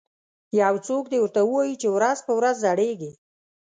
یو څوک دې ورته ووایي چې ورځ په ورځ زړیږي